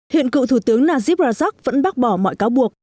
hiện cựu thủ tướng najib rajak vẫn bác bỏ mọi cáo buộc